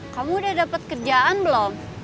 kamu udah dapat kerjaan belum